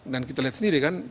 dan kita lihat sendiri kan